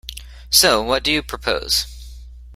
So, what do you propose?